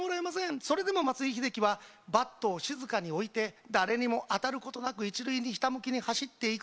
それでも松井秀喜はバットを静かに置いて誰にも当たることなく一塁にひたむきに走っていく。